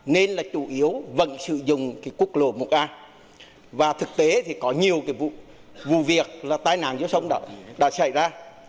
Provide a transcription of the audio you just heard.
nên là chủ yếu vẫn sử dụng cái quốc lộ một a và thực tế thì có nhiều cái vụ việc là tai nạn giao thông đã xảy ra